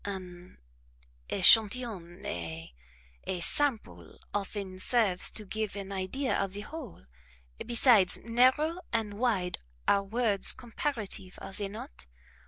An echantillon a a sample often serves to give an idea of the whole; besides, narrow and wide are words comparative, are they not?